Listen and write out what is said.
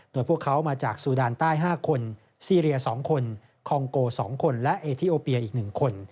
โดยพวกเขามาจากซูดานใต้๕คนซีเรีย๒คนคองโก๒คนและเอทีโอเปียอีก๑คน